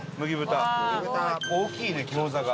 大きいね餃子が。